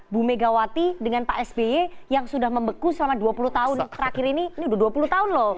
bu megawati dengan pak sby yang sudah membeku selama dua puluh tahun terakhir ini ini sudah dua puluh tahun loh